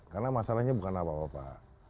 karena masalahnya bukan apa apa pak